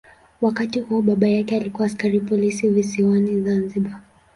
Wakati huo baba yake alikuwa askari polisi visiwani Zanzibar.